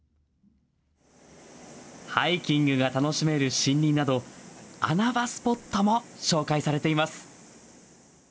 ハイキングが楽しめる森林など穴場スポットも紹介されています。